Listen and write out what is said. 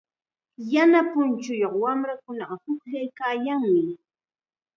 Yana punchuyuq wamrakunaqa pukllaykaayanmi.